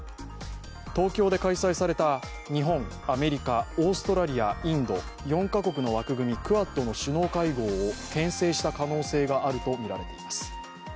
東京で開催された日本、アメリカ、オーストラリア、インド、４カ国の枠組みクアッドの首脳会合をけん制した狙いがあるとみられています。